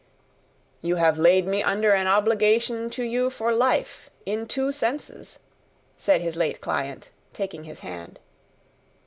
"You have laid me under an obligation to you for life in two senses," said his late client, taking his hand.